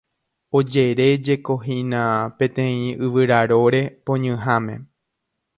Ojerejekohína peteĩ yvyraróre poñyháme.